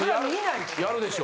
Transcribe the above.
いややるでしょ。